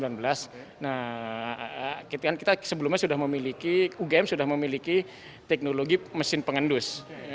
nah kita sebelumnya sudah memiliki ugm sudah memiliki teknologi mesin pengendus